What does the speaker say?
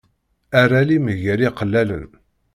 Err alim gar iqellalen.